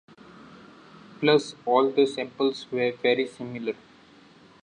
Plus all the samples were very similar.